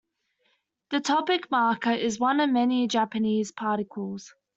The topic marker is one of many Japanese particles.